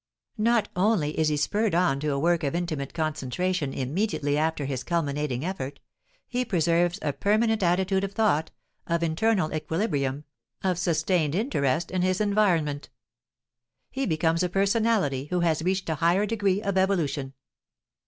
Not only is he spurred on to a work of intimate concentration immediately after his culminating effort; he preserves a permanent attitude of thought, of internal equilibrium, of sustained interest in his environment. He becomes a personality who has reached a higher degree of evolution.